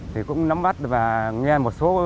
thì cũng nắm mắt và nghe một số